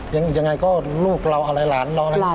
ยังไงก็ลูกเราอะไรหลานเรานะ